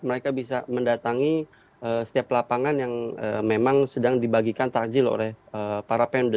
mereka bisa mendatangi setiap lapangan yang memang sedang dibagikan takjil oleh para pemda